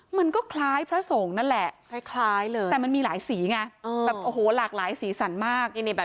มันก็คล้ายพระสงฆ์นั่นแหละแต่มันมีหลายสีไงหลากหลายสีสันมาก